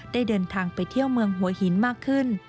ได้เดินทางไปเที่ยวเมืองหัวหินมากขึ้น